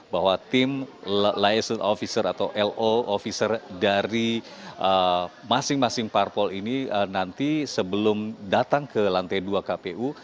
bahwa tim liation officer atau lo officer dari masing masing parpol ini nanti sebelum datang ke lantai dua kpu